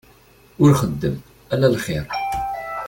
Ur xeddem ala lxir.